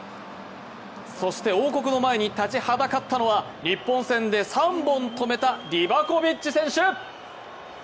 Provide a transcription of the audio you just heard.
そして王国の前に立ちはだかったのは日本戦で３本止めたリバコビッチ選手。